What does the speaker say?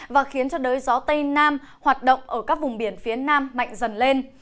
và khiến cho đới gió tây nam hoạt động ở các vùng biển phía nam mạnh dần lên